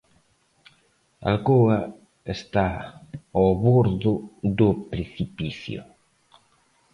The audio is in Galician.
Alcoa está ao bordo do precipicio.